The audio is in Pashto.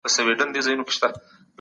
که دواړي پيغلي وي يا دواړي ثيبې وې.